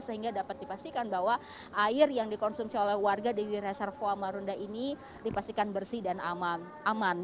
sehingga dapat dipastikan bahwa air yang dikonsumsi oleh warga di reservoa marunda ini dipastikan bersih dan aman